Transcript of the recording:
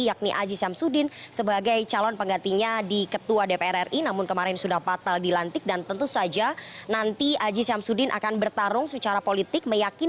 yakni aziz syamsuddin sebagai calon penggantinya di ketua dpr ri namun kemarin sudah fatal dilantik dan tentu saja nanti aji syamsuddin akan bertarung secara politik